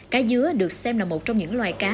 cá dứa được xem là một trong những loài cá